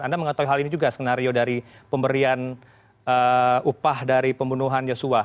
anda mengetahui hal ini juga skenario dari pemberian upah dari pembunuhan yosua